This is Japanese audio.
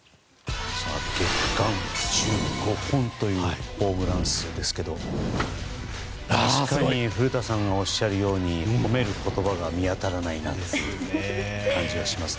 月間１５本というホームラン数ですが確かに古田さんがおっしゃるように褒める言葉が見当たらないなという感じがします。